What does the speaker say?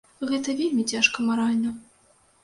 Гэта вельмі цяжка маральна.